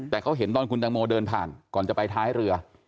แต่เขาเห็นตอนคุณตังโมเดินผ่านก่อนจะไปท้ายเรือ